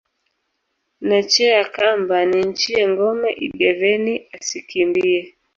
Nechea kamba ninchie ngombe ideveni asikimbie.